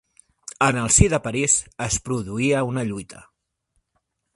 En el si de París es produïa una lluita.